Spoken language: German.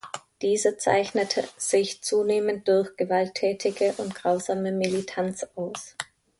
Diese zeichnete sich zunehmend durch gewalttätige und grausame Militanz aus.